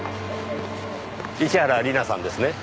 市原里奈さんですね？